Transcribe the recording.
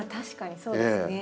そうですね。